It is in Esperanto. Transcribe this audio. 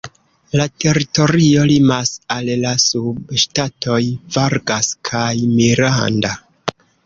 La teritorio limas al la subŝtatoj "Vargas" kaj "Miranda".